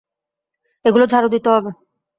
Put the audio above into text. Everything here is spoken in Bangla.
এগুলো ঝাড়ু দিতে হবে।